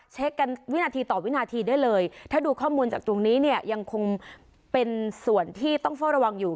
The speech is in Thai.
เช็คกันวินาทีต่อวินาทีได้เลยถ้าดูข้อมูลจากตรงนี้เนี่ยยังคงเป็นส่วนที่ต้องเฝ้าระวังอยู่